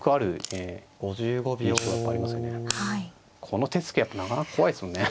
この手つきやっぱなかなか怖いですよね。